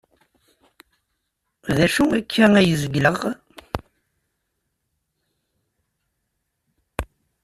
D acu akka ay zegleɣ?